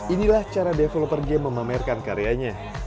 inilah cara developer game memamerkan karyanya